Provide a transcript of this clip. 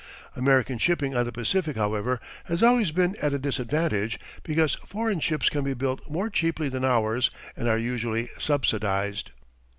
American shipping on the Pacific, however, has always been at a disadvantage, because foreign ships can be built more cheaply than ours and are usually subsidized.